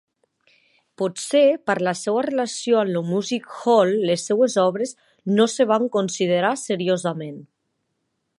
Potser per la seva relació amb el music hall, les seves obres no es van considerar seriosament.